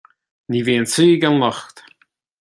Ní bhíonn saoi gan locht